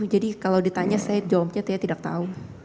jadi kalau ditanya saya jawabnya tidak tahu